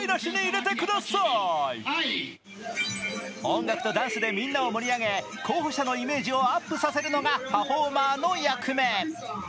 音楽とダンスでみんなを盛り上げ、候補者のイメージをアップさせるのがパフォーマーの役目。